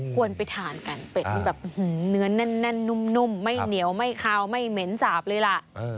ไปทานกันเป็ดนี่แบบเนื้อแน่นนุ่มไม่เหนียวไม่คาวไม่เหม็นสาบเลยล่ะ